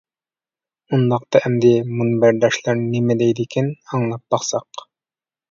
ئۇنداقتا، ئەمدى مۇنبەرداشلار نېمە دەيدىكىن، ئاڭلاپ باقساق.